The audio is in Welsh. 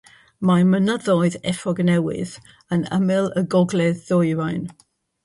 Mae mynyddoedd Efrog Newydd yn ymyl y gogledd ddwyrain.